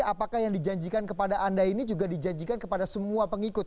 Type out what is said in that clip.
apakah yang dijanjikan kepada anda ini juga dijanjikan kepada semua pengikut